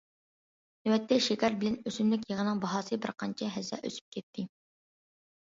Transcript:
نۆۋەتتە شېكەر بىلەن ئۆسۈملۈك يېغىنىڭ باھاسى بىر قانچە ھەسسە ئۆسۈپ كەتتى.